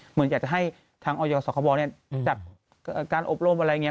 เหมือนอยากจะให้ทางออยสคบจัดการอบรมอะไรอย่างนี้